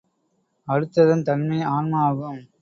அடுத்ததன் தன்மை ஆன்மா ஆகும்.